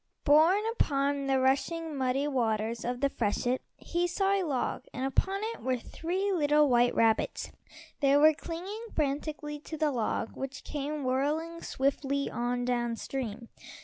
Borne upon the rushing, muddy waters of the freshet he saw a log, and upon it were three little white rabbits. They were clinging frantically to the log, which came whirling swiftly on down stream.